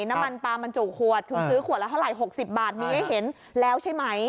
น้ำมันปลาบรรจุขวดคือซื้อขวดละเท่าไหกสิบบาทมีให้เห็นแล้วใช่ไหม